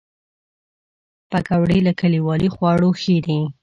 پکورې له کلیوالي خواړو ښې دي